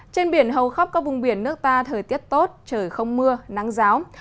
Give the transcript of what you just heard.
trên biển hầu khắp các vùng biển nước ta thời tiết tốt trời không mưa nắng giáo